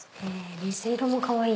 水色もかわいい。